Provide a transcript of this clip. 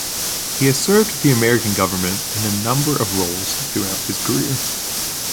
He has served the American government in a number of roles throughout his career.